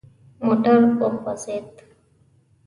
موټر وخوځید.